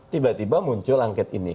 tiba tiba muncul angket ini